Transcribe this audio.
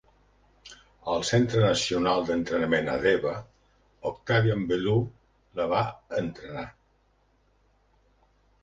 Al centre nacional d'entrenament a Deva, Octavian Belu la va entrenar.